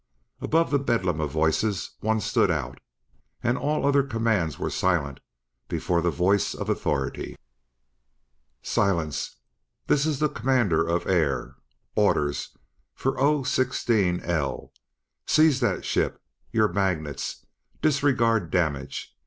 Above the bedlam of voices one stood out, and all other commands went silent before the voice of authority. "Silence! This is the Commander of Air! Orders for O sixteen L: seize that ship! Your magnets! disregard damage!